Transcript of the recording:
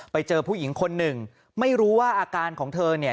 ไปเจอผู้หญิงคนหนึ่งไม่รู้ว่าอาการของเธอเนี่ย